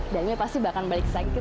daniel pasti bahkan mencintai dia kan